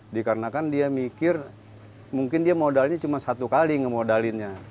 dikarenakan dia mikir mungkin dia modalnya cuma satu kali ngemodalinnya